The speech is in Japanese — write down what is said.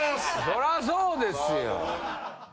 そらそうですよ。